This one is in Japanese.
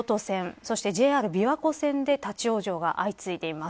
そして、ＪＲ琵琶湖線で立ち往生が相次いでいます。